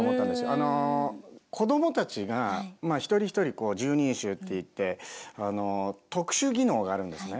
あの子供たちが一人一人拾人衆っていって特殊技能があるんですね。